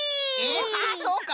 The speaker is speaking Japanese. あっそうか！